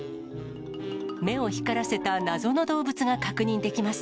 目を光らせた謎の動物が確認できます。